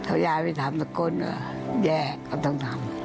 ถ้าย้ายไปทำสักคนบานก็แยกก็ต้องทำ